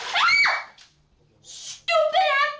beuh beuh beuh